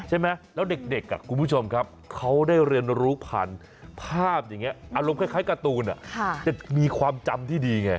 ใช่ไหมแล้วเด็กคุณผู้ชมครับเขาได้เรียนรู้ผ่านภาพอย่างนี้อารมณ์คล้ายการ์ตูนจะมีความจำที่ดีไง